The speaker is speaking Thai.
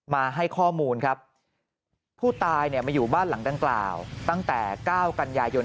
มาให้ข้อมูลครับผู้ตายบ้านหลังด่างกล่าวตั้งแต่ก้าวกันยายน